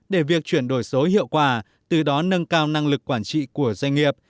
để việc chuyển đổi số hiệu quả từ đó nâng cao năng lực quản trị của doanh nghiệp